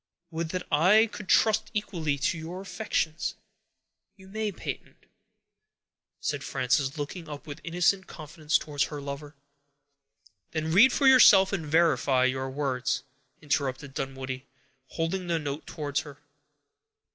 Would that I could trust equally to your affections!" "You may, Peyton," said Frances, looking up with innocent confidence towards her lover. "Then read for yourself, and verify your words," interrupted Dunwoodie, holding the note towards her.